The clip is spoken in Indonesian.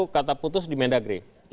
kata putus di menteri dalam negeri